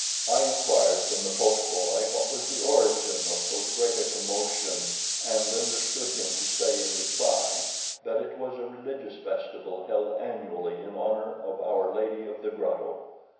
I inquired from the post boy what was the origin of so great a commotion, and understood him to say in reply that it was a religious festival held annually in honour of "Our Lady of the Grotto."